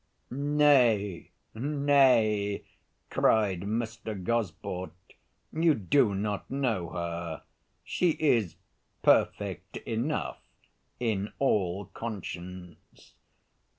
"Nay, nay," cried Mr. Gosport, "you do not know her; she is perfect enough, in all conscience."